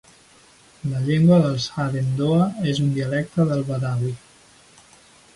La llengua dels Hadendoa és un dialecte del Bedawi.